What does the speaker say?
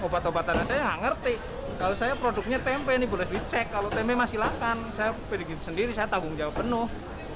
obat obatannya saya nggak ngerti kalau saya produknya tempe ini boleh dicek kalau tempe masih makan saya pikir sendiri saya tanggung jawab penuh